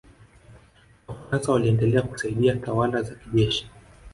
wafaransa waliendelea kusaidia tawala za kijeshi